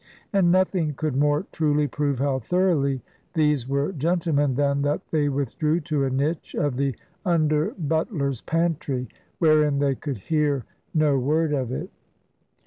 And nothing could more truly prove how thoroughly these were gentlemen, than that they withdrew to a niche of the under butler's pantry, wherein they could hear no word of it.